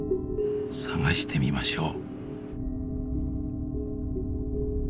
探してみましょう。